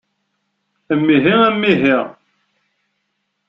Amihi, amihi!